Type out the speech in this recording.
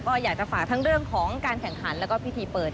ก็อยากจะฝากทั้งเรื่องของการแข่งขันแล้วก็พิธีเปิด